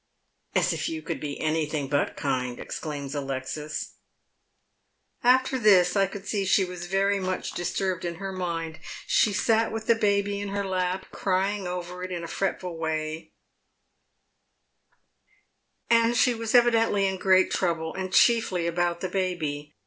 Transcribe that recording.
" As if you could be anything but kind I " exclaims Alexis. " After this I could see she was very much disturbed in her mind. She sat with the baby in her lap, crying over it in a fret ful way, and she was evidently in great trouble, and chiefly about the baby.